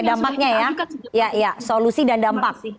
oke dampaknya ya ya ya solusi dan dampak